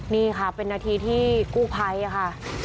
นี่ค่ะเป็นนาทีที่กู้ภัยค่ะ